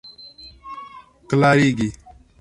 klarigi